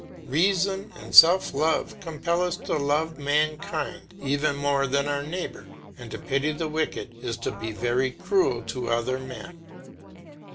Reason and self love compel us to love mankind even more than our neighbour, and to pity the wicked is to be very cruel to other men.